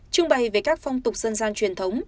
trưng bày về các phong tục dân gian truyền thống